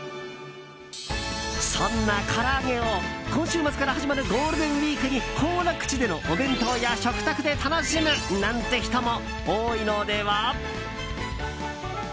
そんなから揚げを今週末から始まるゴールデンウィークに行楽地でのお弁当や食卓で楽しむなんて人も多いのでは？